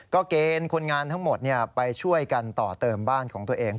เกณฑ์คนงานทั้งหมดไปช่วยกันต่อเติมบ้านของตัวเอง